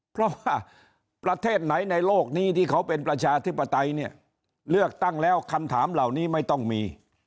เพราะว่าประเทศไหนในโลกนี้ที่เขาเป็นประชาธิปไตยเนี่ยเลือกตั้งแล้วคำถามเหล่านี้ไม่ต้องมี